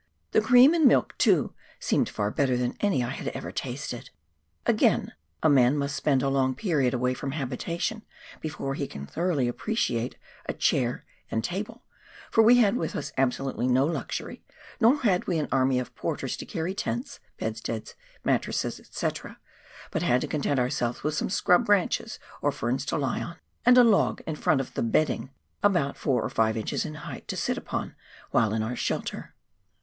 The cream and milk too seemed far better than any I had ever tasted. Again, a man must spend a long period away from habitation before he can thoroughly appreciate a chair and table, for we had with us absolutely no luxury, nor had we an army of porters to carry tents, bedsteads, mattresses, &c., but had to content ourselves with some scrub branches or ferns to lie on, and a log in front of the " bedding," about four or five inches in height, to sit upon when in our shelter.